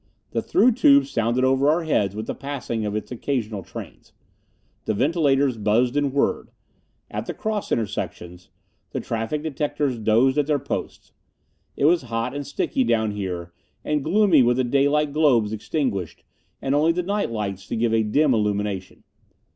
The through tube sounded over our heads with the passing of its occasional trains. The ventilators buzzed and whirred. At the cross intersections, the traffic directors dozed at their posts. It was hot and sticky down here, and gloomy with the daylight globes extinguished, and only the night lights to give a dim illumination.